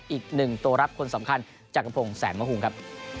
อีกหนึ่งตัวรับคนสำคัญจักรพงศ์แสนมะภูมิครับ